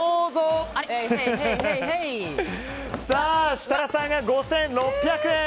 設楽さんが５６００円。